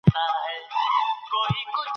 انلاين همکاري ټيم کار پياوړی کوي.